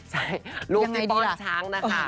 ใช่รูปในก้อนช้างนะคะ